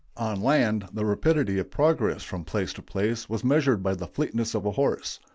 On land the rapidity of progress from place to place was measured by the fleetness of a horse.